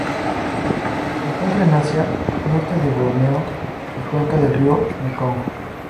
Se encuentran en Asia: norte de Borneo y cuenca del río Mekong.